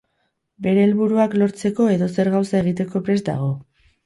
Bere helburuak lortzeko edozer gauza egiteko prest dago.